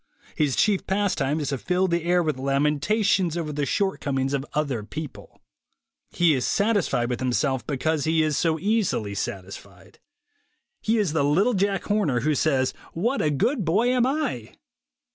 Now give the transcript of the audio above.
His chief pastime is to fill the air with lamentations over the shortcomings of other people. He is satis fied with himself because he is so easily satisfied. He is the little Jack Horner who says, "What a good boy am I